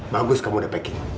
bagus kamu udah packing